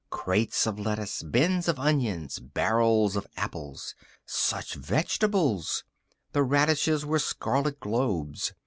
Crates of lettuce, bins of onions, barrels of apples. Such vegetables! The radishes were scarlet globes.